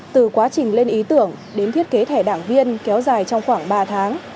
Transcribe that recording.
từ quá trình lên ý tưởng đến thiết kế thẻ đảng viên kéo dài trong khoảng ba tháng